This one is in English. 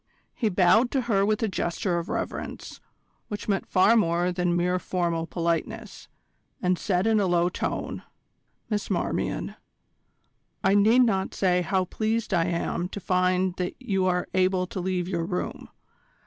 He bowed to her with a gesture of reverence, which meant far more than mere formal politeness, and said in a low tone: "Miss Marmion, I need not say how pleased I am to find that you are able to leave your room.